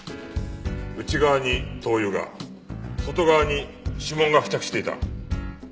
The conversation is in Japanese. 内側に灯油が外側に指紋が付着していた。